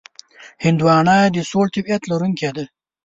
هندوانه د سوړ طبیعت لرونکې ده.